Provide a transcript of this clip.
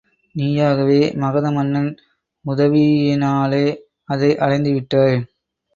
நீயாகவே மகத மன்னன் உதவியினாலே அதை அடைந்துவிட்டாய்.